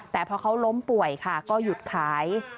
แต่พอเขาล้มป่วยค่ะก็หยุดขาย